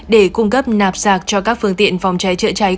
để cung cấp nạp sạc cho các phương tiện phòng cháy chữa cháy